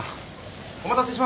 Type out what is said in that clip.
お待たせしました。